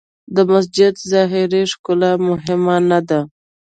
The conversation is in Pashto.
د مسجد ظاهري ښکلا مهمه نه ده.